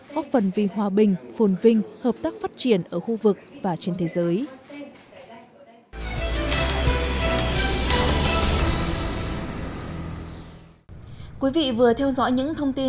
góp phần vì hòa bình phồn vinh hợp tác phát triển ở khu vực và trên thế giới